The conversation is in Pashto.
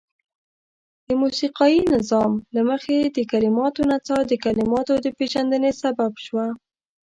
د موسيقايي نظام له مخې د کليماتو نڅاه د کليماتو د پيژندني سبب شوه.